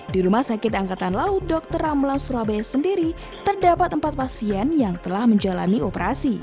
di rumah sakit angkatan laut dr ramlan surabaya sendiri terdapat empat pasien yang telah menjalani operasi